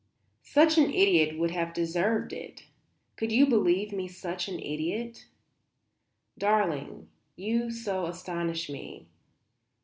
"Such an idiot would have deserved it? Could you believe me such an idiot? Darling, you so astonish me.